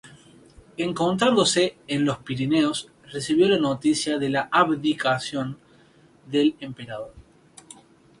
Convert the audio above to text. Encontrándose en los Pirineos, recibió la noticia de la abdicación del emperador.